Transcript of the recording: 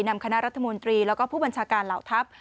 นำคณะรัฐมนตรีแล้วก็ผู้บัญชาการเหล่าทัพ